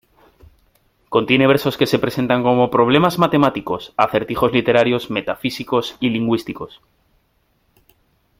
Contiene versos que se presentan como problemas matemáticos, acertijos literarios, metafísicos y lingüísticos.